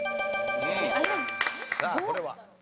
さあこれは？